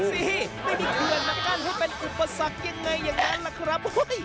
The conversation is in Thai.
ไม่มีเครื่องระกันให้เป็นอุปสรรคอย่างไรยังไงล่ะครับ